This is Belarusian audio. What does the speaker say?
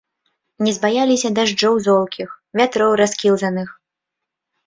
Не збаяліся дажджоў золкіх, вятроў раскілзаных.